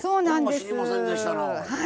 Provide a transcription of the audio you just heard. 知りませんでしたな。